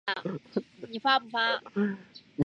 女儿思华也遭株连而难以参加热爱的文工团。